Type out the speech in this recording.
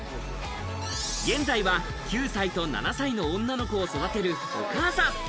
現在は９歳と７歳の女の子を育てるお母さん。